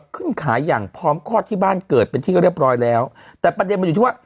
ขึ้นขายอย่างพร้อมคลอดที่บ้านเกิดเป็นที่เรียบร้อยแล้วแต่ประเด็นมันอยู่ที่ว่า